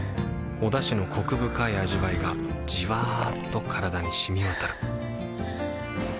おだしのコク深い味わいがじわっと体に染み渡るはぁ。